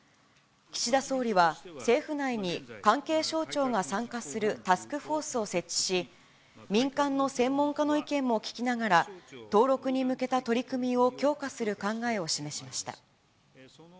岸田総理は、政府内に関係省庁が参加するタスクフォースを設置し、民間の専門家の意見も聞きながら、登録に向けた取り組みを強化する考えを示しました。